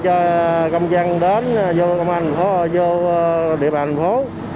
cho công dân đến vô công an thành phố vô địa bàn thành phố